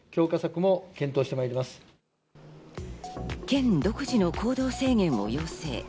県独自の行動制限を要請。